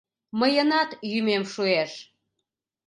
— Мыйынат йӱмем шуэш…